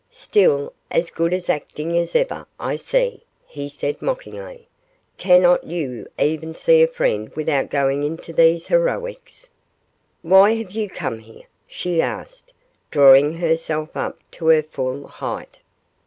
'Still as good at acting as ever, I see,' he said, mockingly; 'cannot you even see a friend without going into these heroics?' 'Why have you come here?' she asked, drawing herself up to her full height.